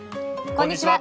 こんにちは。